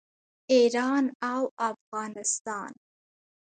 ایران او افغانستان.